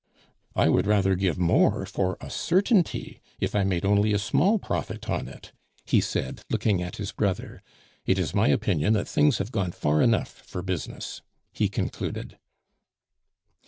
"I would rather give more for a certainty, if I made only a small profit on it," he said, looking at his brother. "It is my opinion that things have gone far enough for business," he concluded.